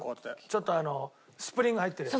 ちょっとスプリング入ってるやつ。